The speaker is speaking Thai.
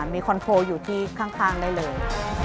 มีคอนโทรอยู่ที่ข้างได้เลย